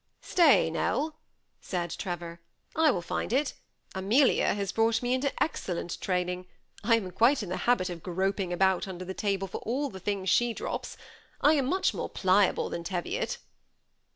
" Stay, NeU, said Trevor, « I will find it ; Amelia has brought me into excellent training. I am quite in the habit of groping about under the table for all the things she drops. I am much more pliable than Te TlOt."